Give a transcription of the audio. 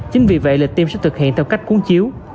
chính vì vậy lịch tiêm sẽ thực hiện theo cách cuốn chiếu